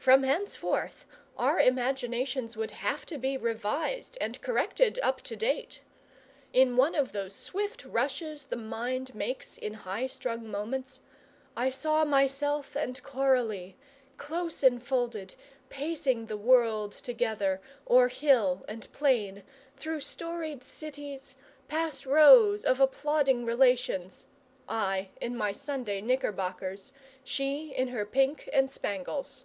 From henceforth our imaginations would have to be revised and corrected up to date. In one of those swift rushes the mind makes in high strung moments, I saw myself and Coralie, close enfolded, pacing the world together, o'er hill and plain, through storied cities, past rows of applauding relations, I in my Sunday knickerbockers, she in her pink and spangles.